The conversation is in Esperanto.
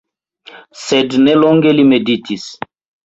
Sed ne longe li meditis.